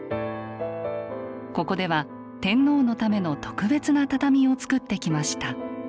ここでは天皇のための特別な畳を作ってきました。